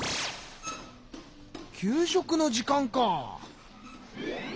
給食の時間か。